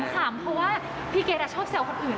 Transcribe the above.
คำเพราะว่าพี่เกดชอบแซวคนอื่น